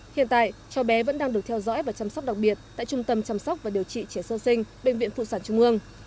hiện tại cháu bé vẫn đang được theo dõi và chăm sóc đặc biệt tại trung tâm chăm sóc và điều trị trẻ sơ sinh bệnh viện phụ sản trung ương